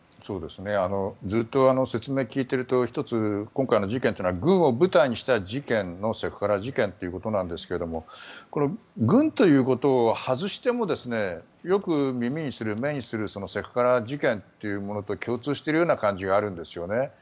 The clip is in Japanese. ずっと説明を聞いていると１つ、今回の事件というのは軍を舞台にしたセクハラ事件ということなんですが軍ということを外してもよく耳にする、目にするセクハラ事件というものと共通しているような感じがあるんですよね。